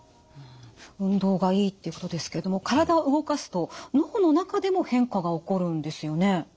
運動がいいっていうことですけども体を動かすと脳の中でも変化が起こるんですよね。